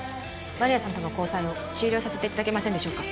丸谷さんとの交際を終了させていただけませんでしょうか。